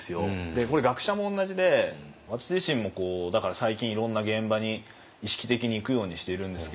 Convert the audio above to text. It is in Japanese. これ学者も同じで私自身もだから最近いろんな現場に意識的に行くようにしているんですけれども。